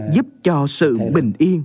giúp cho sự bình yên